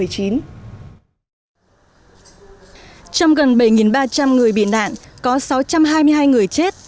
trong gần bảy ba trăm linh người bị nạn có sáu trăm hai mươi hai người chết